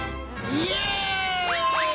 イエイ！